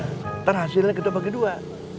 nanti hasilnya kita bagi dua